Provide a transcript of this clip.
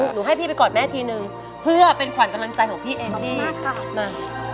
หนูให้พี่ไปกอดแม่ทีนึงเพื่อเป็นขวัญกำลังใจของพี่เองพี่มา